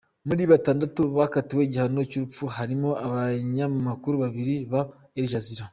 Muri batandatu bakatiwe igihano cy’urupfu, harimo abanyamakuru babiri ba Al-Jazeera.